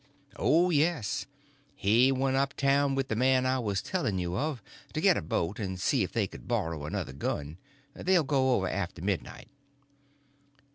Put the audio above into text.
"Oh, yes. He went up town with the man I was telling you of, to get a boat and see if they could borrow another gun. They'll go over after midnight."